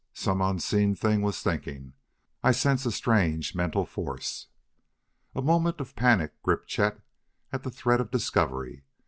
some unseen thing was thinking. "I sense a strange mental force!" A moment of panic gripped Chet at the threat of discovery.